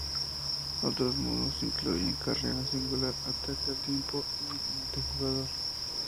Otros modos incluyen Carrera Singular, Ataque al Tiempo y Multijugador.